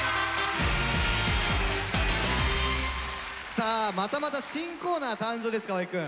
さあまたまた新コーナー誕生です河合くん。